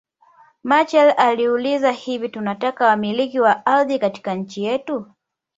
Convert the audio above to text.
Machel aliuliza hivi tunataka wamiliki wa ardhi katika nchi yetu